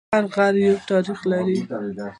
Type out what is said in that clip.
هر غږ یو تاریخ لري